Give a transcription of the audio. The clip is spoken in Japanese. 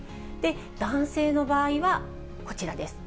男性の場合は、こちらです。